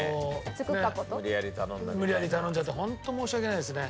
無理やり頼んじゃってホント申し訳ないですね。